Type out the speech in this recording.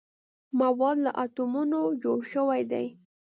مواد له اتومونو جوړ شوي دي.